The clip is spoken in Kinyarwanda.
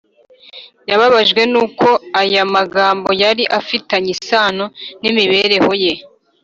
. Yababajwe nuko aya magambo yari afitanye isano n’imibereho ye.